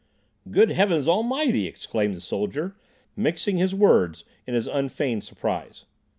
"Good heavens almighty!" exclaimed the soldier, mixing his words in his unfeigned surprise.